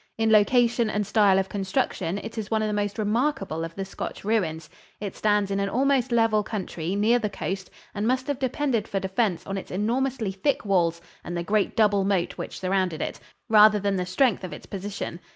In location and style of construction it is one of the most remarkable of the Scotch ruins. It stands in an almost level country near the coast and must have depended for defense on its enormously thick walls and the great double moat which surrounded it, rather than the strength of its position.